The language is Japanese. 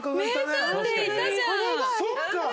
そっか！